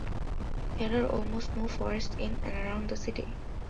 There are almost no forests in and around the city.